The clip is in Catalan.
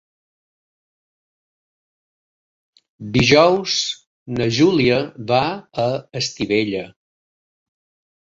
Dijous na Júlia va a Estivella.